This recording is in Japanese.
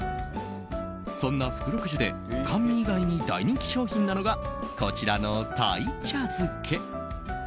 そんな福禄壽で甘味以外に大人気商品なのがこちらの鯛茶漬け。